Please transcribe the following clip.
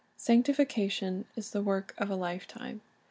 Sanctification is the work of a lifetime.